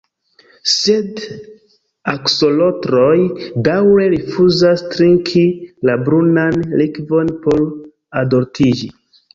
Sed aksolotloj daŭre rifuzas trinki la brunan likvon por adoltiĝi.